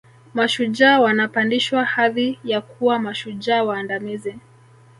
Mashujaa wanapandishwa hadhi ya kuwa mashujaa waandamizi